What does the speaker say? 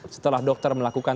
setelah dokter melakukan